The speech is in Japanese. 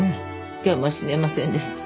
今日も死ねませんでした。